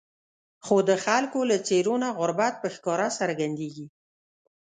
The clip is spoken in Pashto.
خو د خلکو له څېرو نه غربت په ښکاره څرګندېږي.